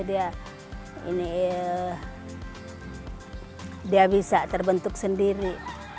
dia ini dia bisa terbentuk sendiri